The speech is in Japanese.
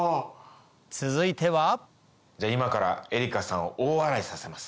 続いてはじゃあ今からＥＲＩＣＡさんを大笑いさせます。